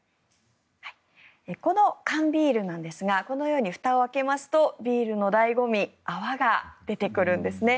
この缶ビールなんですがこのようにふたを開けますとビールの醍醐味、泡が出てくるんですね。